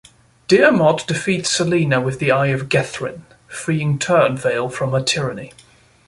Diermot defeats Selena with the Eye of Gethryn, freeing Turnvale from her tyranny.